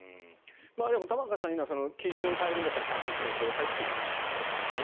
でも、玉川さんが言うのは基準を変えるんだったらちゃんと説明してくださいということですね。